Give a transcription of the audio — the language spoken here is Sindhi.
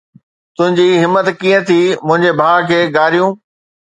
تنهنجي همت ڪيئن ٿي منهنجي ڀاءُ کي گاريون